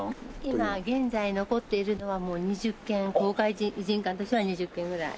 今現在残っているのはもう２０軒公開異人館としては２０軒ぐらい。